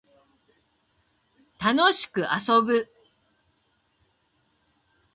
楽しく遊ぶ